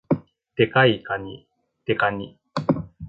デカいかに、デカニ